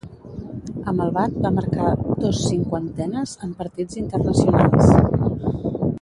Amb el bat va marcar dos cinquantenes en partits internacionals.